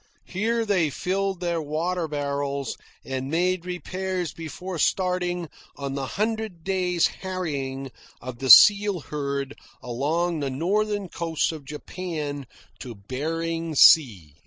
Here they filled their water barrels and made repairs before starting on the hundred days' harrying of the seal herd along the northern coasts of Japan to Behring Sea.